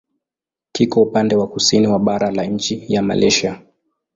Kiko upande wa kusini wa bara la nchi ya Malaysia.